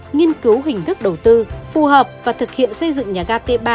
nghiên cứu hình thức đầu tư phù hợp và thực hiện xây dựng nhà ga t ba